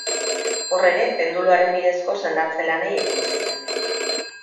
Hor ere penduluaren bidezko sendatze-lanei ekin zien.